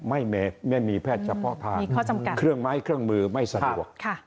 ไม่มีแพทย์เฉพาะทางเครื่องไม้เครื่องมือไม่สะดวก